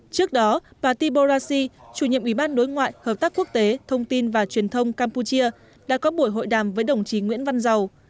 trước đó bà tiboraci chủ nhiệm ủy ban đối ngoại hợp tác quốc tế thông tin và truyền thông campuchia đã có buổi hội đàm với đồng chí nguyễn văn giàu